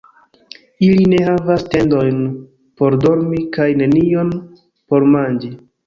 Ili ne havas tendojn por dormi kaj nenion por manĝi.